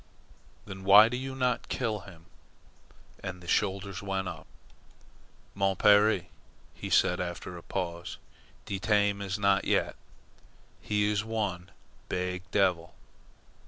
"Then why do you not kill him?" Again the shoulders went up. "Mon pere," he said after a pause, "de taim is not yet. He is one beeg devil.